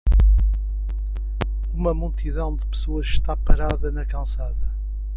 Uma multidão de pessoas está parada na calçada.